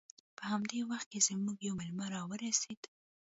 په همدې وخت کې زموږ یو میلمه راورسید